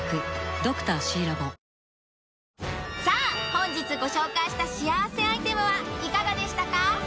本日ご紹介した幸せアイテムはいかがでしたか？